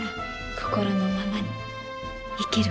心のままに生きること。